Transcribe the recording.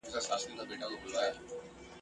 دا ویده اولس به ویښ سي د ازل بلا وهلی ..